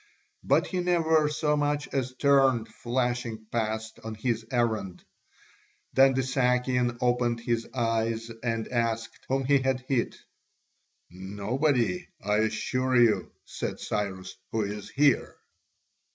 But he never so much as turned, flashing past on his errand. Then the Sakian opened his eyes and asked whom he had hit? "Nobody, I assure you," said Cyrus, "who is here."